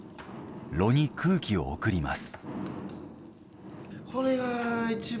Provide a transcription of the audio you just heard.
炉に空気を送ります。